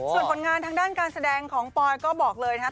ส่วนผลงานทางด้านการแสดงของปอยก็บอกเลยนะครับ